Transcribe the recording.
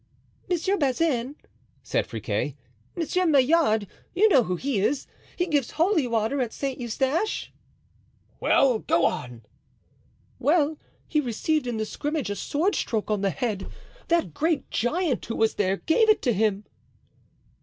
"Monsieur Bazin," said Friquet, "Monsieur Maillard—you know who he is, he gives holy water at Saint Eustache——" "Well, go on." "Well, he received in the scrimmage a sword stroke on the head. That great giant who was there gave it to him."